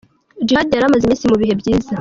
Djihad yari amaze iminsi mu bihe byiza.